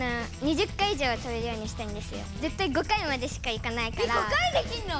ぜったい５回までしかいかないから。